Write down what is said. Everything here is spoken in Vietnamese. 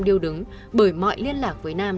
đều đứng bởi mọi liên lạc với nam